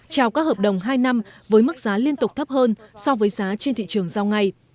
trao các hợp đồng hai năm với mức giá liên tục thấp hơn so với giá trên thị trường giao ngay